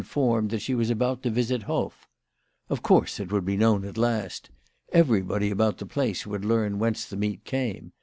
73 formed that she was about to visit Hoff. Of course it would be known at last. Everybody about the place would learn whence the meat came.